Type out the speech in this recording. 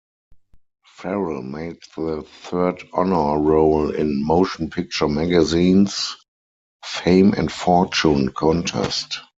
Farrell made the third honor roll in "Motion Picture Magazine's" "Fame and Fortune Contest".